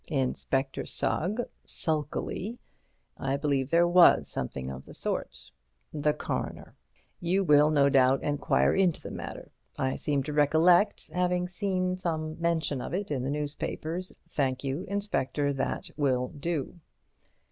Inspector Sugg (sulkily): I believe there was something of the sort. The Coroner: You will, no doubt, enquire into the matter. I seem to recollect having seen some mention of it in the newspapers. Thank you, Inspector, that will do.